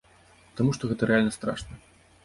Таму што гэта рэальна страшна.